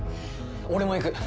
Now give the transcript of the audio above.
俺も行く。